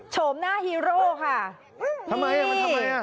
โฉมหน้าฮีโร่ค่ะนี่ทำไมมันทำไม